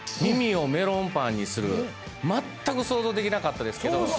耳をメロンパンにするまったく想像できなかったですけど。